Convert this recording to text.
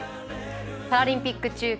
パラリンピック中継